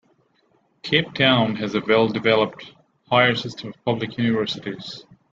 Cape Town has a well-developed higher system of public universities.